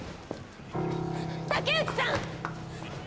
竹内さん！